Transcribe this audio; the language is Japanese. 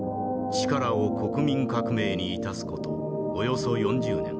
「力を国民革命に致す事およそ４０年。